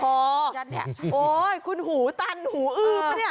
โอ้ยคุณหูตันหูอื้มป่ะนี่